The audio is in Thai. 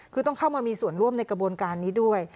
คือต้องเข้ามามีส่วนร่วมในกระบวนการนี้ด้วย